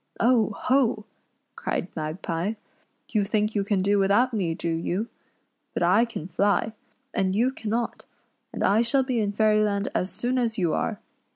" Oh ! ho !" cried Magpie, " you think you can do without me, do you ? But I can fly, and you cannot ; and I shall be in Fairyland as soon as you are.